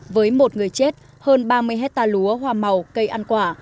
với một người chết hơn ba mươi hectare lúa hoa màu cây ăn quả